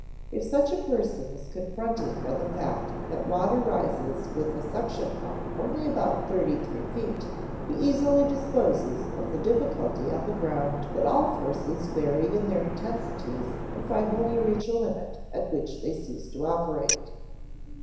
If such a person is confronted by the fact that water rises with a suction pump only about thirty three feet, he easily disposes of the difficulty on the ground that all forces vary in their intensities and finally reach a limit at which they cease to operate.